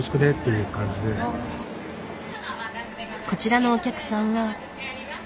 こちらのお客さんは。